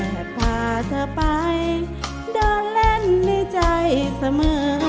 พาเธอไปเดินเล่นในใจเสมอ